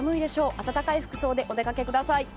暖かい服装でお出かけください。